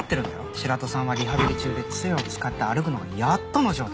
白土さんはリハビリ中で杖を使って歩くのもやっとの状態。